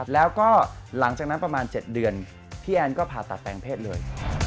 แล้วก็หลังจากนั้นประมาณ๗เดือนพี่แอนก็ผ่าตัดแปลงเพศเลย